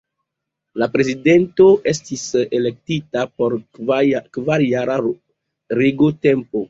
La Prezidento estis elektita por kvarjara regotempo.